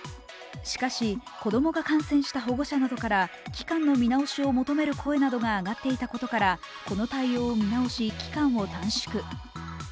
しかし、子供が感染した保護者などから、期間の見直しを求める声などが上がっていたことからこの対応を見直し期間を短縮。